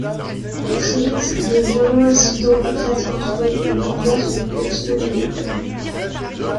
Très vite, de violents incidents éclatent entre eux et bouleversent le quotidien de l'école.